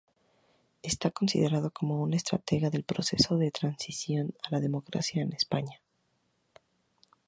Está considerado como un estratega del proceso de transición a la democracia en España.